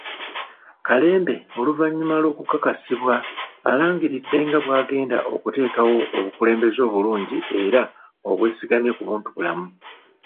Kalembe oluvannyuma lw'okukakasibwa alangiridde nga bw'agenda okuteekawo obukulembeze obulungi era obwesigamye ku buntubulamu.